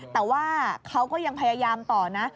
แต่ว่าเขาก็ยังพยายามต่อนะ